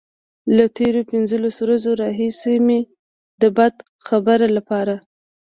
له تېرو پنځلسو ورځو راهيسې مې د بد خبر لپاره.